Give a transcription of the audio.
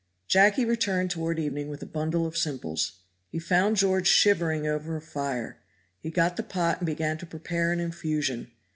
Jacky returned toward evening with a bundle of simples. He found George shivering over a fire. He got the pot and began to prepare an infusion.